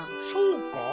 そうか？